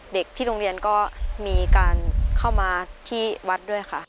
เด็กที่โรงเรียนก็มีการเข้ามาที่วัดด้วยค่ะ